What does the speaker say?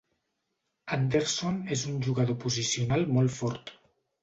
Andersson és un jugador posicional molt fort.